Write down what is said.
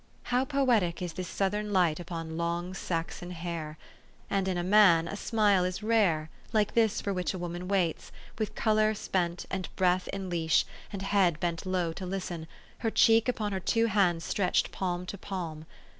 How poetic is this Southern light upon long Saxon hair ! and in a man, a smile is rare, like this for which a woman waits, with color spent, and breath in leash, and head bent low to listen, her cheek upon her two hands stretched palm to palm.